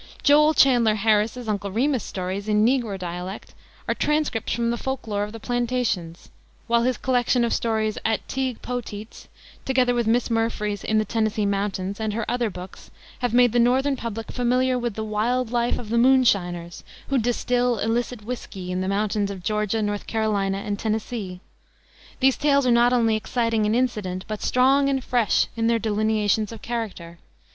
Joel Chandler Harris's Uncle Remus stories, in Negro dialect, are transcripts from the folk lore of the plantations, while his collection of stories, At Teague Poteet's, together with Miss Murfree's In the Tennessee Mountains and her other books have made the Northern public familiar with the wild life of the "moonshiners," who distill illicit whiskey in the mountains of Georgia, North Carolina, and Tennessee. These tales are not only exciting in incident, but strong and fresh in their delineations of character.